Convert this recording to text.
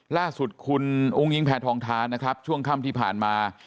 ล่าสุดคุณอุ้งอิงแพทองทานนะครับช่วงค่ำที่ผ่านมา